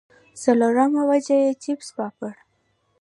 څلورمه وجه ئې چپس پاپړ